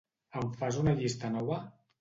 Em fas una llista nova?